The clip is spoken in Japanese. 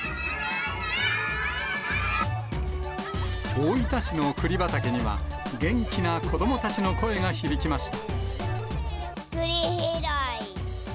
大分市のくり畑には、元気な子どもたちの声が響きました。